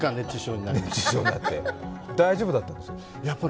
大丈夫だったんですか？